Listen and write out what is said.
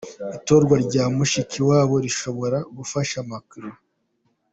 Itorwa rya Mushikiwabo rishobora gufasha Macron?.